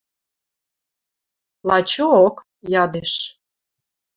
– Лачо-ок? – ядеш.